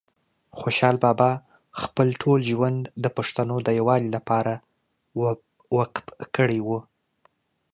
خوشحال بابا خپل ټول ژوند د پښتنو د یووالي لپاره وقف کړی وه